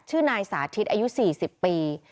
ชื่อนายสาธิตอายุ๔๐ปี